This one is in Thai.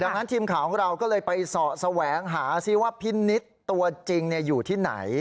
ดังนั้นทีมข่าวของเราก็เลยไปเสาะแสวงหาซิว่าพี่นิดตัวจริงอยู่ที่ไหน